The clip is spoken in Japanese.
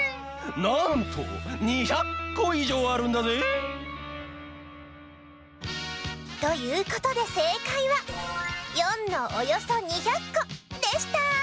なんと２００こいじょうあるんだぜ！ということでせいかいは④のおよそ２００こでした！